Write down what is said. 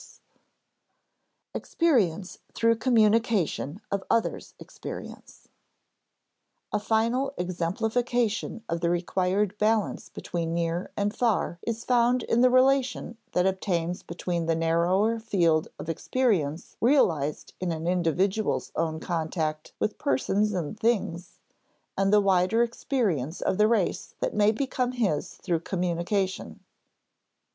[Sidenote: Experience through communication of others' experience] A final exemplification of the required balance between near and far is found in the relation that obtains between the narrower field of experience realized in an individual's own contact with persons and things, and the wider experience of the race that may become his through communication.